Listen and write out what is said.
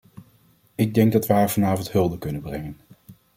Ik denk dat we haar vanavond hulde kunnen brengen.